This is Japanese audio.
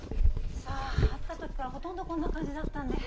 さあ会った時からほとんどこんな感じだったんで。